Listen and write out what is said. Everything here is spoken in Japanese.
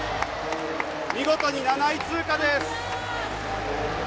見事に７位通過です！